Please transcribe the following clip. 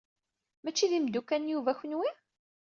Mačči d imeddukal n Yuba kenwi?